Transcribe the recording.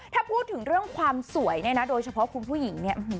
ถ้าพูดถึงเรื่องความสวยเนี่ยนะโดยเฉพาะคุณผู้หญิงเนี่ย